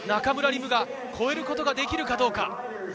夢が超えることができるかどうか。